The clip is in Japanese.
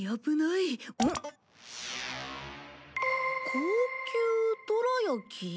高級どら焼き？